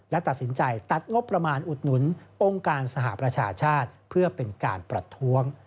และตัดสินใจตัดงบประมาณอุดหนุนองค์การสหประชาชาติเพื่อเป็นการประท้วง